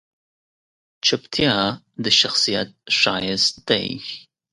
چپتیا، د شخصیت ښایست دی.